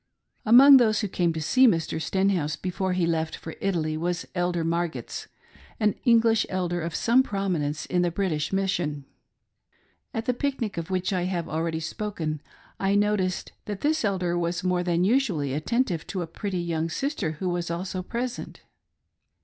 Among those who came to see Mr. Stenhouse before he left for Italy, was Elder Margetts, an English elder of some prominence in the British mission." At the pic nic, of which I have already spoken, I noticed that this elder was more than usually attentive to a pretty young sister who was also pres ent.